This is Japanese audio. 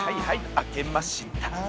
開けました。